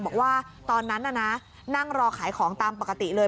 บอกว่าตอนนั้นน่ะนะนั่งรอขายของตามปกติเลย